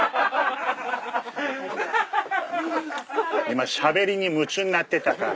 今しゃべりに夢中になってたから。